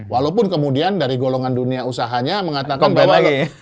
walaupun kemudian dari golongan dunia usahanya mengatakan bahwa